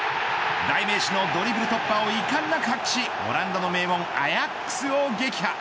代名詞のドリブル突破をいかんなく発揮しオランダの名門アヤックスを撃破。